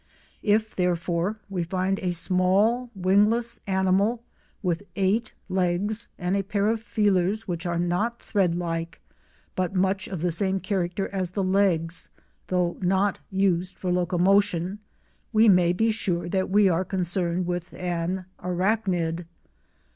If, therefore, we find a small wingless animal with eight legs and a pair of feelers which are not thread like but much of the same character as the legs, though not used for locomotion, we may be sure that we are concerned with an Arachnid.